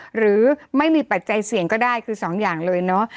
หรือไม่มีปัจจัยเสี่ยงก็ได้คือสองอย่างเลยเนาะ